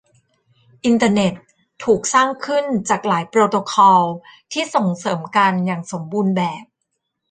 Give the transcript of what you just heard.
อินเตอร์เน็ตถูกสร้างขึ้นจากหลายโปรโตคอลที่ส่งเสริมกันอย่างสมบูรณ์แบบ